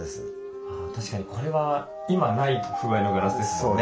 確かにこれは今ない風合いのガラスですもんね。